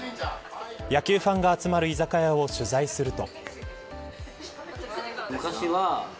野球ファンが集まる居酒屋を取材すると。